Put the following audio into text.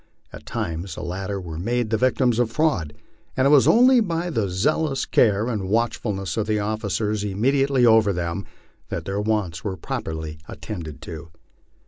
At times the latter were made the victims of fraud, and it was only by the zealous care and watchfulness of the officers immediately over them, that their wants were properly attended to.